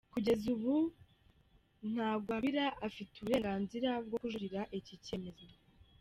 Kugeza ubu Ntagwabira afite uburenganzira bwo kujuririra iki cyemezo.